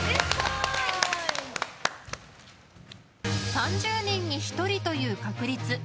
３０人に１人という確率。